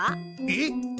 えっ？